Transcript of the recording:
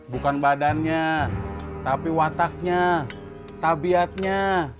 bukan badannya tapi wataknya tabiatnya